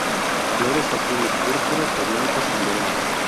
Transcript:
Flores azules, púrpuras, o blancas, en verano.